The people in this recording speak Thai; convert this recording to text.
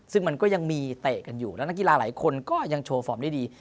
ซึ่งมันก็ยังมีเตะกันอยู่แล้วนักกีฬาหลายคนก็ยังโชว์ฟอร์มได้ดี